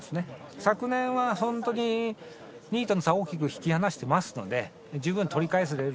昨年は本当に２位との差を大きく引き離していますので十分取り返せる。